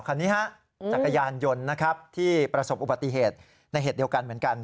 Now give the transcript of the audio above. คันนี้ฮะจักรยานยนต์นะครับที่ประสบอุบัติเหตุในเหตุเดียวกันเหมือนกัน